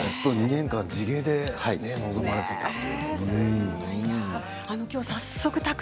２年間地毛で臨まれていたと。